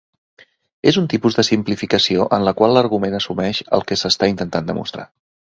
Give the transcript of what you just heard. És un tipus de simplificació en la qual l'argument assumeix el que s'està intentant demostrar.